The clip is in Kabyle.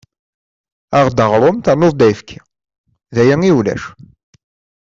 Aɣ-d aɣrum ternu-d ayefki, d aya i ulac.